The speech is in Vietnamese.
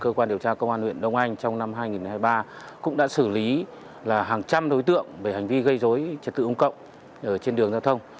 cơ quan điều tra công an huyện đông anh trong năm hai nghìn hai mươi ba cũng đã xử lý hàng trăm đối tượng về hành vi gây dối trật tự ung cộng trên đường giao thông